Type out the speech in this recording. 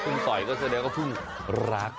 ฟึงต่อยก็แสดงว่าฟึงรัก